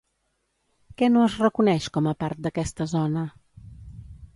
Què no es reconeix com a part d'aquesta zona?